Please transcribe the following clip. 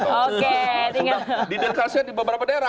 sudah didekasikan di beberapa daerah